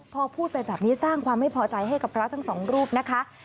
พอพูดไปแบบนี้สร้างความไม่พอใจให้กับพระทั้งสองรูปนะคะ